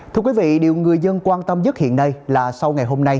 thưa quý vị điều người dân quan tâm nhất hiện nay là sau ngày hôm nay